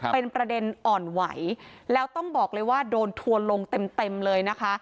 เป็นประเด็นอ่อนไหวแล้วต้องบอกเลยว่าโดนทัวร์ลงเต็มเลยนะคะ